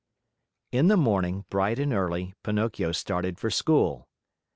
In the morning, bright and early, Pinocchio started for school.